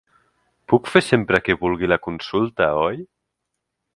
Puc fer sempre que vulgui la consulta, oi?